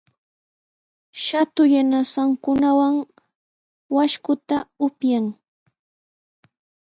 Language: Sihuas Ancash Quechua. Shatu yanasankunawan washkuta upyan.